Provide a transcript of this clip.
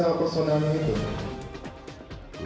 bukan sama personelnya ini